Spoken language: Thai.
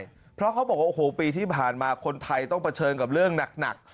เพราะเขาบอกว่าโอ้โหปีที่ผ่านมาคนไทยต้องเผชิญกับเรื่องหนัก